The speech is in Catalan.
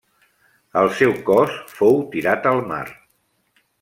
El seu cos fou tirat al mar.